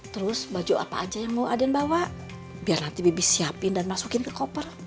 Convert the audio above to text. terus baju apa aja yang mau aden bawa biar nanti bibi siapin dan masukin ke koper